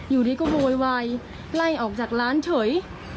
อยู่ดีก็โวยวายไล่ออกจากร้านเฉย